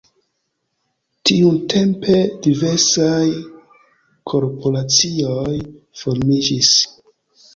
Tiutempe diversaj korporacioj formiĝis.